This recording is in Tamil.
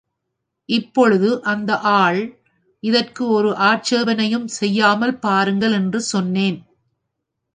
இப்பொழுது அந்த ஆள், இதற்கு ஒரு ஆட்சேபணையும் செய்யாமல் பாருங்கள் என்று சொன்னேன்.